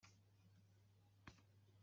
Tiγyulit tuγ lakulat.